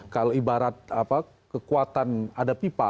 kalau ibarat kekuatan ada pipa